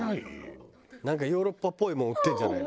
なんかヨーロッパっぽいもの売ってるんじゃないの？